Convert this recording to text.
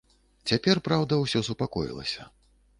Цяпер, праўда, усё супакоілася.